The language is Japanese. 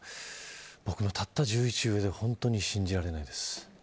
僕のたった１１上で本当に信じられないです。